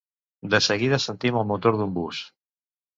De seguida sentim el motor d'un bus.